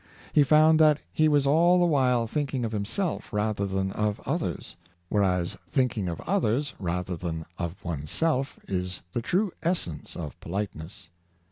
He found that he was all the while thinking of himself, rather than of others; whereas thinking of others, rather than of one's self, is the true essence of politeness.